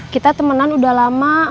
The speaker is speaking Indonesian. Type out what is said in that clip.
kita temenan udah lama